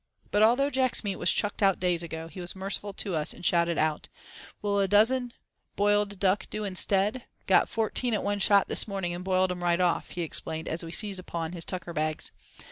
But although Jack's meat was "chucked out days ago" he was merciful to us and shouted out: "Will a dozen boiled duck do instead? Got fourteen at one shot this morning, and boiled 'em right off," he explained as we seized upon his tucker bags.